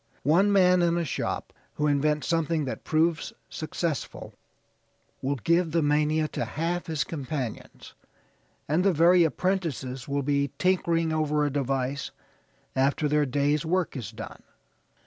One man in a shop who invents something that proves successful will give the mania to half his companions, and the very apprentices will be tinkering over a device after their day's work is done."